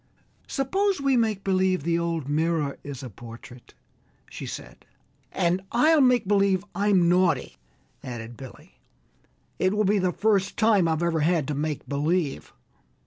"Suppose we make believe the old mirror is a portrait," she said. "And I'll make believe I'm naughty," added Billy. "It will be the first time I've ever had to make believe!"